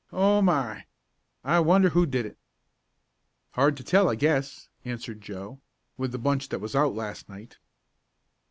Oh my! I wonder who did it?" "Hard to tell I guess," answered Joe, "with the bunch that was out last night."